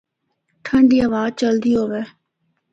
ٹھنڈی ہوا چلدی ہُوِّے۔